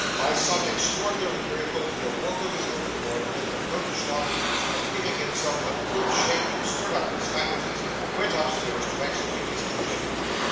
By some extraordinary miracle he awoke of his own accord, when the coach stopped, and giving himself a good shake to stir up his faculties, went upstairs to execute his commission.